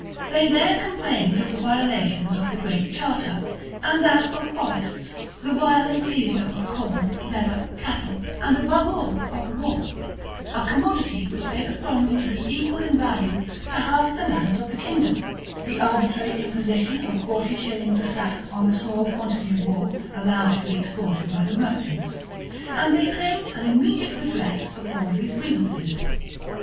They there complained of the violations of the Great Charter, and that of forests; the violent seizure of corn, leather, cattle, and, above all, of wool, a commodity which they affirmed to be equal in value to half the lands of the kingdom; the arbitrary imposition of forty shillings a sack on the small quantity of wool allowed to be exported by the merchants; and they claimed an immediate redress of all these grievances.